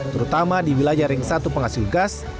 terutama di wilayah ring satu penghasil gas